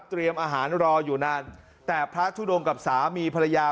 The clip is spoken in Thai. อาหารรออยู่นานแต่พระทุดงกับสามีภรรยา